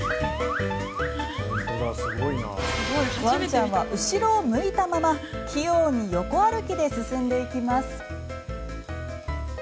ワンちゃんは後ろを向いたまま器用に横歩きで進んでいきます。